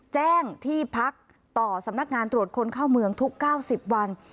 แจ้งที่พักต่อสำนักงานตรวจคนเข้าเมืองทุก๙๐วัน